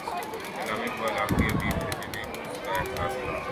علامہ اقبال آخری ادیب تھے جنہیں اس کا احساس تھا۔